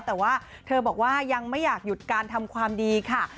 แต่ว่าเธอบอกว่ายังไม่อยากหยุดการทำความดีค่ะ